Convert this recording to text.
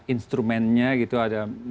instrumennya gitu ada